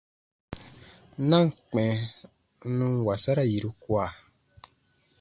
Na ǹ kpɛ̃ n nun wasara yiru kua.